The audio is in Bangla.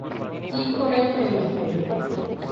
কী করে ফেলবে?